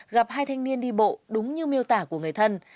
gặp hai thanh niên đi bộ đúng như miêu tả của người thân